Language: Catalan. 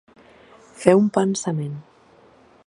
Fer un pensament.